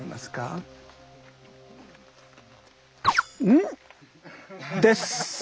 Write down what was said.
うん？です。